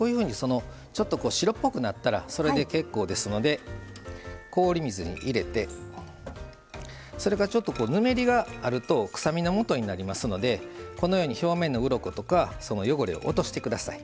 ちょっと白っぽくなったらそれで結構ですので氷水に入れてそれからちょっとぬめりがあると臭みのもとになりますのでこのように表面のうろことか汚れを落としてください。